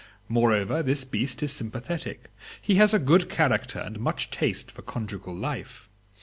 Moreover, this beast is sympathetic. He has a good character and much taste for conjugal life.